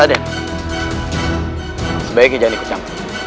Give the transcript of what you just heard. raden sebaiknya jangan dikecam